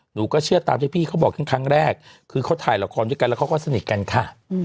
หนูก็เชื่อตามที่พี่เขาบอกทั้งครั้งแรกคือเขาถ่ายละครด้วยกันแล้วเขาก็สนิทกันค่ะ